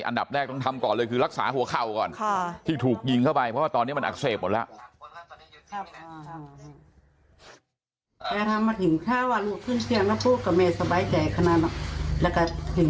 อันดับแรกต้องทำก่อนเลยคือรักษาหัวเข่าก่อนที่ถูกยิงเข้าไปเพราะว่าตอนนี้มันอักเสบหมดแล้ว